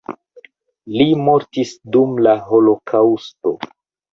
Li mortis dum la holokaŭsto.